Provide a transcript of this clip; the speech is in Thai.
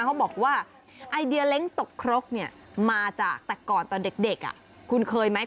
เขาบอกว่าไอเดียเล้งตกครกเนี่ยมาจากแต่ก่อนตอนเด็กคุณเคยไหม